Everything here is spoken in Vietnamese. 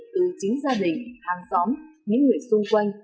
từ chính gia đình hàng xóm những người xung quanh